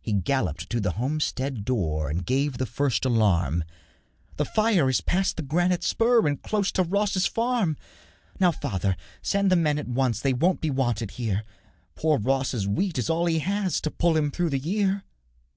He galloped to the homestead door And gave the first alarm: 'The fire is past the granite spur, 'And close to Ross's farm.' 'Now, father, send the men at once, They won't be wanted here; Poor Ross's wheat is all he has To pull him through the year.'